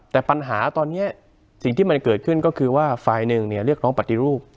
แต่ปัญหาตอนนี้สิ่งที่มันเกิดขึ้นก็คือว่าฝ่ายหนึ่งเรียกร้องปฏิรูป